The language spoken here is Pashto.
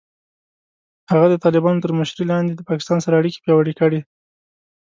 هغه د طالبانو تر مشرۍ لاندې د پاکستان سره اړیکې پیاوړې کړې.